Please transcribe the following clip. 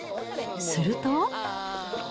すると。